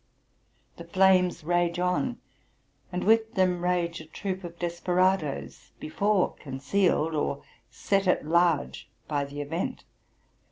The flames rage on; and with them rage a troop of desperadoes, before concealed, or set at large by the event.